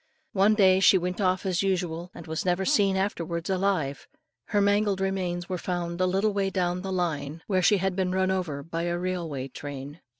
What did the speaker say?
One day she went off as usual, and was never afterwards seen alive: her mangled remains were found a little way down the line, where she had been run over by a railway train.